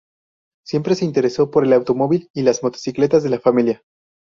Siempre se interesó por el automóvil y las motocicletas de la familia.